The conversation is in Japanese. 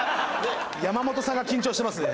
山本さんが緊張してますね。